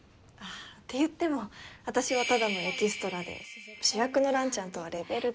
って言っても私はただのエキストラで主役の蘭ちゃんとはレベルが。